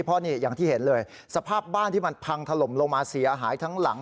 เพราะนี่อย่างที่เห็นเลยสภาพบ้านที่มันพังถล่มลงมาเสียหายทั้งหลัง